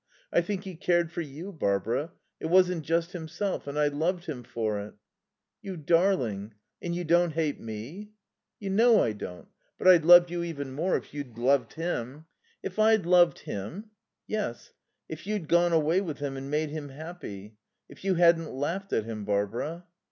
I think he cared for you, Barbara. It wasn't just himself. And I loved him for it." "You darling! And you don't hate me?" "You know I don't But I'd love you even more if you'd loved him." "If I'd loved him?" "Yes. If you'd gone away with him and made him happy. If you hadn't laughed at him, Barbara."